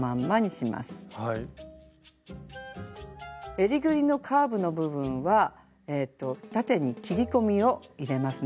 えりぐりのカーブの部分は縦に切り込みを入れますね。